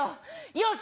よし！